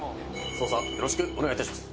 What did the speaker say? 「捜査よろしくお願い致します」